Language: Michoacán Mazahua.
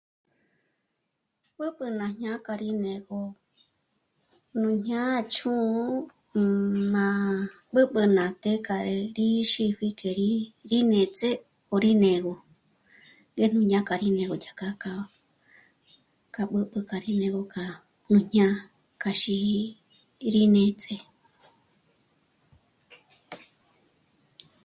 B'ǚb'ü ná jñá'a k'a rí né'egö nú jñâ'a chǔ'u má b'ǚb'ü ná té k'a ré rí xípji k'e rí yí néts'ë ó rí né'ego yá nú jñá k'áji né'egö yà kjà k'a k'a b'ǘb'ü gáji né'egö kja nú jñá'a k'a xí'i rí néts'e